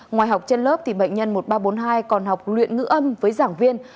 ngoài học trên lớp thì bệnh nhân một nghìn ba trăm bốn mươi hai còn học luyện ngữ âm với giảng viên